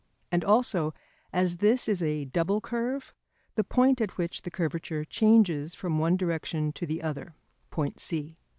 And also, as this is a double curve, the point at which the curvature changes from one direction to the other: point C.